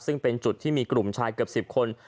ซึ่งเป็นจุดที่มีกลุ่มชายเกือบ๑๐คน